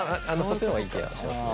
そっちの方がいい気がします。